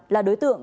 là đối tượng